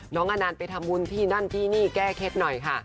อนันต์ไปทำบุญที่นั่นที่นี่แก้เคล็ดหน่อยค่ะ